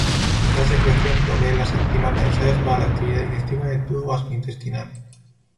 Esta secreción provee las enzimas necesarias para la actividad digestiva del tubo gastrointestinal.